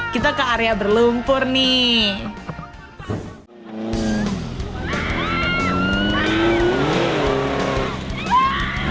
kita ke area berlumpur nih